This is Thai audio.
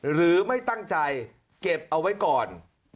หรือไม่ตั้งใจเก็บเอาไว้ก่อน